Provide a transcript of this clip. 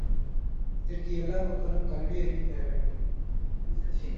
இதற்கு எல்லா மக்களும் கல்வி அறிவு பெற வேண்டும்.